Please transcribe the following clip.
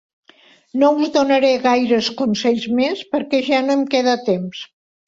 No us donaré gaires consells més perquè ja no em queda temps